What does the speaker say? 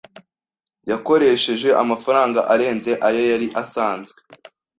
Yakoresheje amafaranga arenze ayo yari asanzwe.